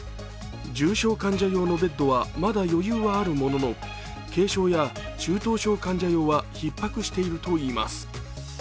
重症患者用のベッドはまだ余裕があるものの軽症や中等症患者用はひっ迫しているといいます。